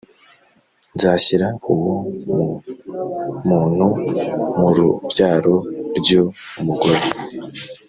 Nzashyira uwo mu muntu murubyaro ryu mugore